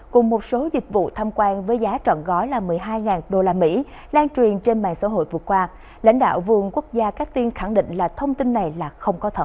cùng một số dịch vụ tham quan với giá trọn gói là một mươi hai usd lan truyền trên mạng xã hội vừa qua lãnh đạo vườn quốc gia cát tiên khẳng định là thông tin này là không có thật